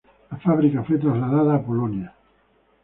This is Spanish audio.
La fabrica fue trasladada a Polonia.